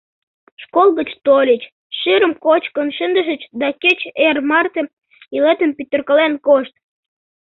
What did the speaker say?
Школ гыч тольыч, шӱрым кочкын шындышыч да кеч эр марте йолетым пӱтыркален кошт!